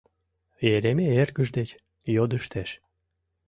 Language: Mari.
— Еремей эргыж деч йодыштеш.